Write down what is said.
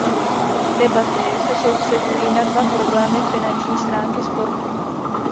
Debaty se soustřeďují na dva problémy finanční stránky sportu.